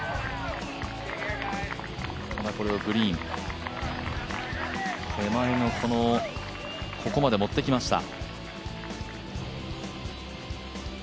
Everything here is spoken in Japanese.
これをグリーン、手前のここまで持ってきました。